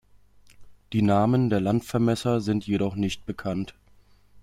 Die Namen der Landvermesser sind jedoch nicht bekannt.